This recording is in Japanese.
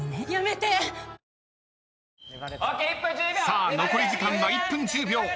［さあ残り時間は１分１０秒］